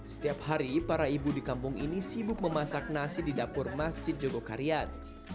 setiap hari para ibu di kampung ini sibuk memasak nasi di dapur masjid jogokarian